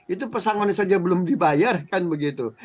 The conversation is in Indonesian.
itu pesangonis saja belum dibayar kan begitu